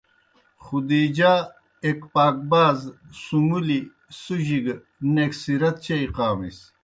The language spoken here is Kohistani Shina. خدیجہؓ ایک پاکباز، سُمُلیْ، سُجیْ گہ نیک سیرت چیئی قامِس۔